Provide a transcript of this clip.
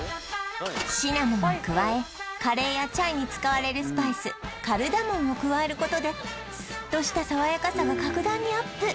シナモンに加えカレーやチャイに使われるスパイスカルダモンを加えることでスッとしたさわやかさが格段にアップ